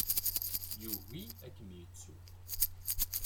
Yugi ad kem-yettu.